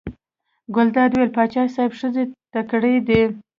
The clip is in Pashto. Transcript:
ګلداد وویل: پاچا صاحب ښځې تکړې دي.